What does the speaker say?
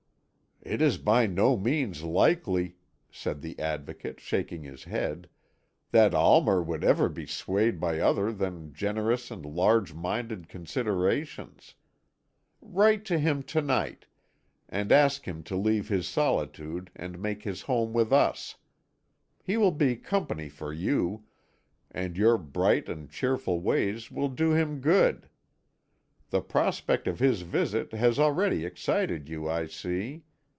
"It is by no means likely," said the Advocate, shaking his head, "that Almer would ever be swayed by other than generous and large minded considerations. Write to him to night, and ask him to leave his solitude, and make his home with us. He will be company for you, and your bright and cheerful ways will do him good. The prospect of his visit has already excited you, I see.